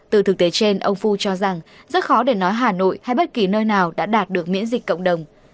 từ thực tế trên ông phu cho rằng rất khó để nói hà nội hay bất kỳ nơi nào đã đạt được miễn dịch cộng đồng